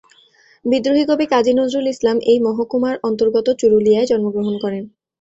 বিদ্রোহী কবি কাজী নজরুল ইসলাম এই মহকুমার অন্তর্গত চুরুলিয়ায় জন্মগ্রহণ করেন।